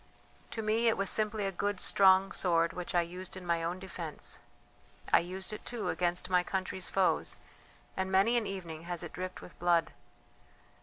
"To me it was simply a good strong sword which I used in my own defence. I used it, too, against my country's foes, and many an evening has it dripped with blood.